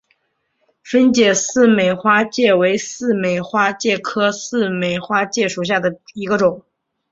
分解似美花介为似美花介科似美花介属下的一个种。